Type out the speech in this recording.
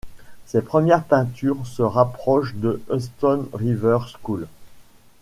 Ses premières peintures se rapprochent de Hudson River School.